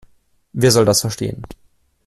Wer soll das verstehen?